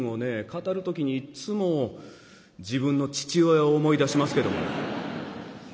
語る時にいつも自分の父親を思い出しますけどもね。